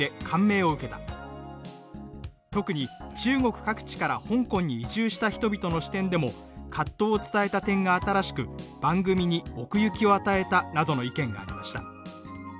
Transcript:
「特に中国各地から香港に移住した人々の視点でも葛藤を伝えた点が新しく番組に奥行きを与えた」などの意見がありました。